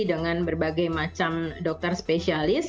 dengan berbagai macam dokter spesialis